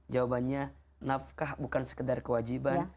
jawabannya nafkah bukan sekedar kewajiban